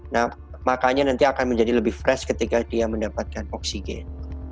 nah makanya nanti akan menjadi lebih fresh ketika dia mendapatkan oksigen